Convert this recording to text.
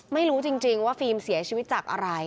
ไม่รู้จริงว่าฟิล์มเสียชีวิตจากอะไร